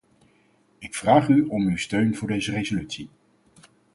Ik vraag u om uw steun voor deze resolutie.